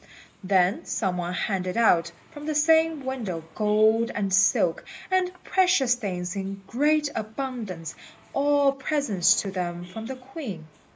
Then some one handed out from the same window gold and silk, and precious things in great abundance, all presents to them from the Queen.